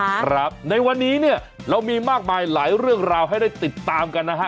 ครับในวันนี้เนี่ยเรามีมากมายหลายเรื่องราวให้ได้ติดตามกันนะฮะ